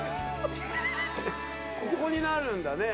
ここになるんだね。